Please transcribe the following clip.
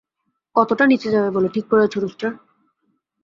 কতটা নিচে যাবে বলে ঠিক করেছো, রুস্টার?